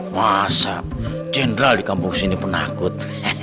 masa jenderal di kampung sini penakut